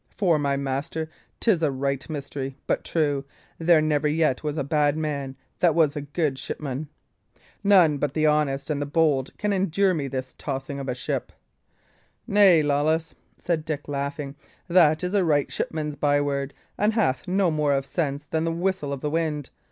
For, my master, 'tis a right mystery, but true, there never yet was a bad man that was a good shipman. None but the honest and the bold can endure me this tossing of a ship." "Nay, Lawless," said Dick, laughing, "that is a right shipman's byword, and hath no more of sense than the whistle of the wind.